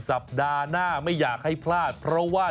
สัปดาห์หน้าไม่อยากให้พลาดเพราะว่า